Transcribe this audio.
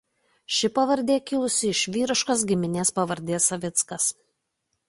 Ši pavardė kilusi iš vyriškos giminės pavardės Savickas.